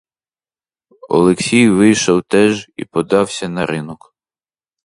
Олексій вийшов теж і подався на ринок.